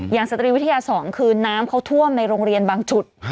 สตรีวิทยา๒คือน้ำเขาท่วมในโรงเรียนบางจุด